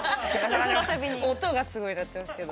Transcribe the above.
音がすごい鳴ってますけど。